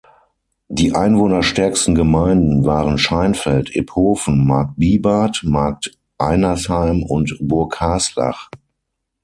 Die einwohnerstärksten Gemeinden waren Scheinfeld, Iphofen, Markt Bibart, Markt Einersheim und Burghaslach.